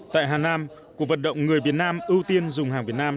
tại hà nam cuộc vận động người việt nam ưu tiên dùng hàng việt nam